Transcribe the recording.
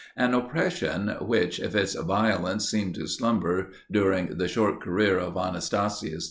an oppression which, if its violence seemed to slumber during the short career of Anastasius IV.